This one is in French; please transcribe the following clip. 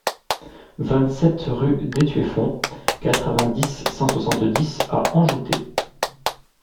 vingt-sept rue d'Étueffont, quatre-vingt-dix, cent soixante-dix à Anjoutey